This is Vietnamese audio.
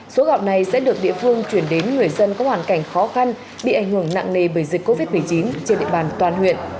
số gạo này sẽ được địa phương chuyển đến người dân có hoàn cảnh khó khăn bị ảnh hưởng nặng nề bởi dịch covid một mươi chín trên địa bàn toàn huyện